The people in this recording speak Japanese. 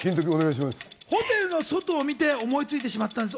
ホテルの外を見て思いついてしまったんです。